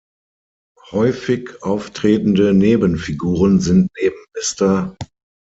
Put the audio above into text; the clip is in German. Häufig auftretende Nebenfiguren sind neben Mr.